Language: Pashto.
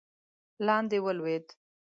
لاندې ولوېد.